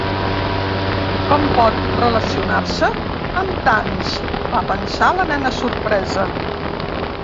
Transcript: "Com pot relacionar-se amb tants?" va pensar la nena sorpresa.